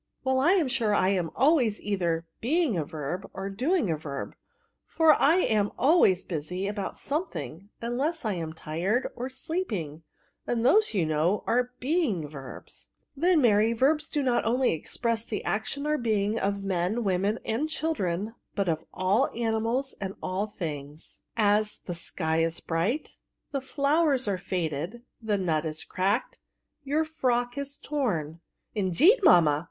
'*" Well, I am sure I am always either being a verb, or doing a verb ; for I am al ways busy about something, unless I am tired, or sleeping, and those you know are 6^*71^ verbs," " Then, Mary, verbs do not only express the action or being of men, women, and child ren, but of all animals and all things ; as, the sky is bright, the flowers are fiuied, the nut is cracked, jova frock is torn." *' Indeed, mamma